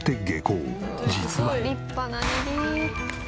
実は。